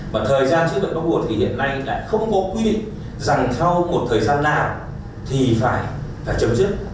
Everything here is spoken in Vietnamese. mà thời gian chứa bệnh bắt buộc thì hiện nay lại không có quy định rằng theo một thời gian nào thì phải chấm dứt